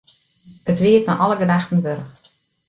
It wie it nei alle gedachten wurdich.